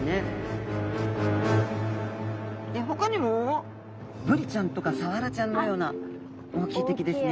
ほかにもブリちゃんとかサワラちゃんのような大きい敵ですね。